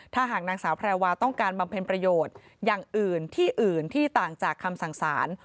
ถ้าหากนางสาวแพรวาต้องการบำเพ็ญประโยชน์อย่างอื่นที่อื่นที่ต่างจากคำสั่งสาร